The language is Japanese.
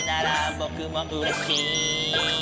「ぼくもうれしい」